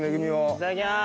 いただきます。